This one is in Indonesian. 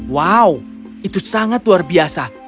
wow itu sangat luar biasa